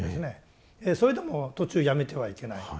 それでも途中やめてはいけない。